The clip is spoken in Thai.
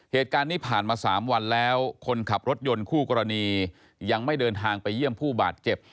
เหตุการณ์นี้ผ่านมา๓วันแล้วคนขับรถยนต์คู่กรณียังไม่เดินทางไปเยี่ยมผู้บาดเจ็บ